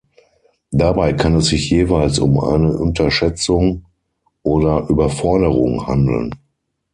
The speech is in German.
Dabei kann es sich jeweils um eine Unterschätzung oder Überforderung handeln.